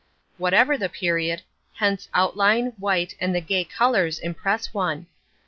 Whatever the period, hence outline, white and the gay colours impress one.